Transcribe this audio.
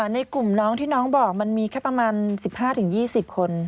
ในกลุ่มน้องที่น้องบอกมันมีแค่ประมาณ๑๕๒๐คน